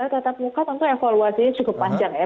tatap muka tentu evaluasinya cukup panjang ya